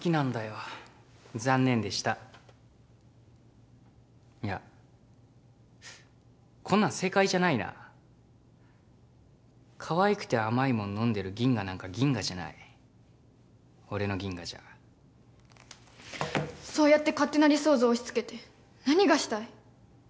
残念でしたいやこんなん正解じゃないなかわいくて甘いもん飲んでるギンガなんかギンガじゃない俺のギンガじゃそうやって勝手な理想像押しつけて何がしたい？